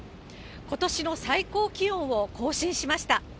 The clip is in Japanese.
ことしの最高気温を更新しました。